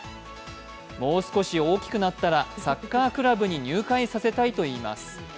もう少し大きくなったらサッカークラブに入会させたいといいます。